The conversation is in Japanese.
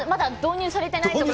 導入されてない？